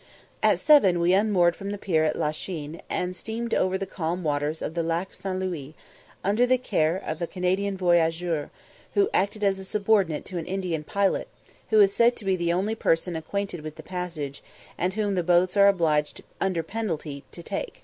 At seven we unmoored from the pier at La Chine, and steamed over the calm waters of the Lac St. Louis, under the care of a Canadian voyageur, who acted as a subordinate to an Indian pilot, who is said to be the only person acquainted with the passage, and whom the boats are obliged under penalty to take.